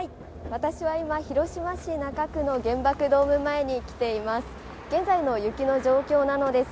私は今、広島市中区の原爆ドーム前に来ています。